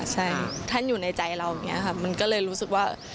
ใช่ท่านอยู่ในใจเรามันก็เลยรู้สึกว่า